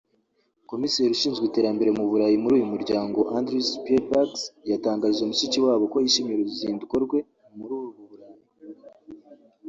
Komiseri ushinzwe itererambere mu Burayi muri uyu muryango Andris Pielbags yatangarije Mushikiwabo ko yishimiye uruzinduko rwe muri Burayi